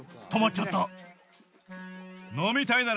止まっちゃった。